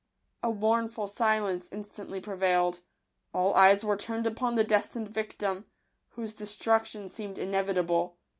A mournful silence instantly prevailed. All eyes were turned upon the destined victim, whose destruction seemed inevitable.